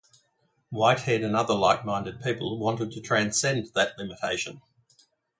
Whitehead and other like-minded people wanted to transcend that limitation.